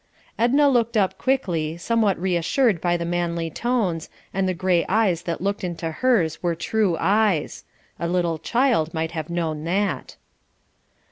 Edna looked up quickly, somewhat reassured by the manly tones, and the grey eyes that looked into hers were true eyes; a little child might have known that.